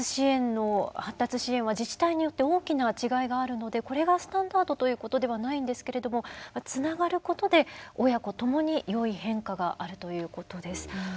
発達支援は自治体によって大きな違いがあるのでこれがスタンダードということではないんですけれどもつながることで親子ともに良い変化があるということです。